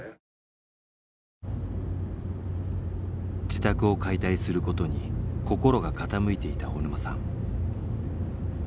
自宅を解体することに心が傾いていた大沼さん。